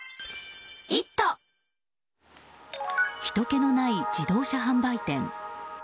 ひとけのない自動車販売店。